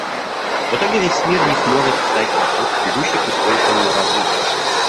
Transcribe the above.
В итоге весь мир не сможет встать на путь, ведущий к устойчивому развитию.